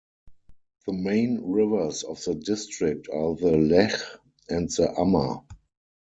The main rivers of the district are the Lech and the Ammer.